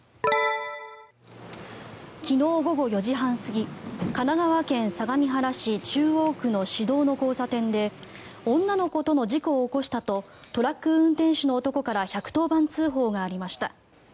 昨日午後４時半過ぎ神奈川県相模原市中央区の市道の交差点で女の子との事故を起こしたとトラック運転手の男から１１０番通報がありました。